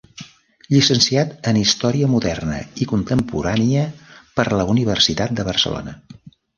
Llicenciat en Història Moderna i Contemporània per la Universitat de Barcelona.